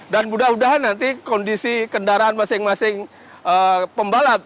dan mudah mudahan nanti kondisi kendaraan masing masing pembalap